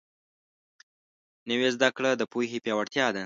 نوې زده کړه د پوهې پیاوړتیا ده